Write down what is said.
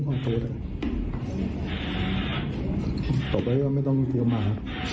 ผมขอโทษเลยต่อไปก็ไม่ต้องเตรียมมา